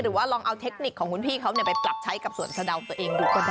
ลองเอาเทคนิคของคุณพี่เขาไปปรับใช้กับสวนสะดาวตัวเองดูก็ได้